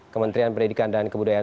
kementerian pendidikan dan kebudayaan